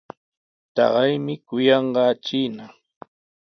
Taqaymi kuyanqaa chiina.